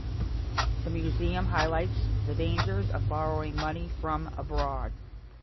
The museum highlights the dangers of borrowing money from abroad.